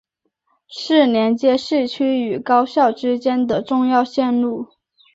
是连接市区与高校之间的重要线路。